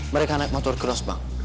mereka naik motor keros bang